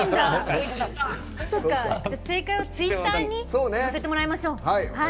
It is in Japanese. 正解はツイッターにさせてもらいましょう。